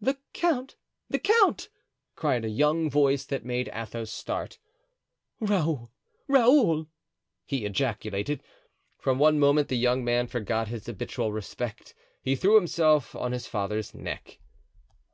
"The count! the count!" cried a young voice that made Athos start. "Raoul! Raoul!" he ejaculated. For one moment the young man forgot his habitual respect—he threw himself on his father's neck.